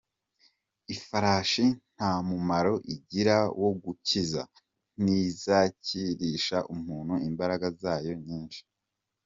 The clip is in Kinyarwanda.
Ifarashi nta mumaro igira wo gukiza, Ntizakirisha umuntu imbaraga zayo nyinshi.